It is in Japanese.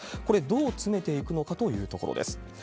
これ、どう詰めていくのかというところです。